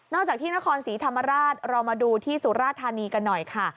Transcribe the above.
จากที่นครศรีธรรมราชเรามาดูที่สุราธานีกันหน่อยค่ะ